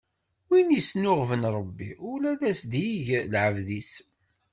Win isnuɣben Ṛebbi, ula as-d-ig lɛebd-is.